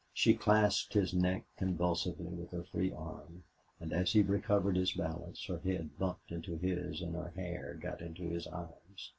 She clasped his neck convulsively with her free arm, and as he recovered his balance her head bumped into his and her hair got into his eyes.